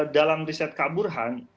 dalam riset kak burhan